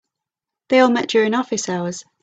They all met during office hours.